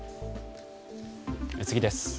次です。